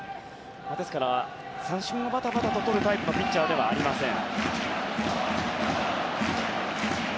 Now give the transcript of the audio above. ですから三振をバタバタとるタイプのピッチャーではありません。